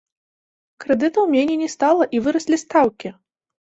Крэдытаў меней не стала і выраслі стаўкі!